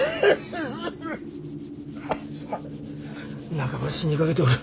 半ば死にかけておる。